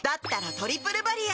「トリプルバリア」